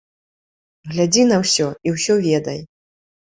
Глядзі на ўсё і ўсё ведай.